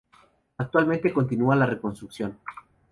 Actualmente continúa la reconstrucción.